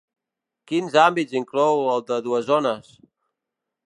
Quins àmbits inclou el de dues zones?